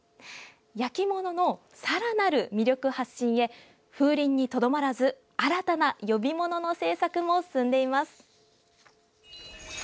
焼き物のさらなる魅力発信へ風鈴にとどまらず新たな呼び物の制作も進んでいます。